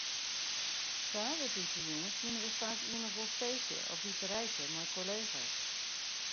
Saterdeitejûns hiene we faak ien of oar feestje of iterijke mei kollega's.